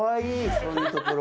そういうところ。